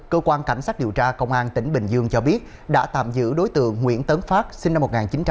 cơ quan cảnh sát điều tra công an tỉnh bình dương cho biết đã tạm giữ đối tượng nguyễn tấn phát sinh năm một nghìn chín trăm tám mươi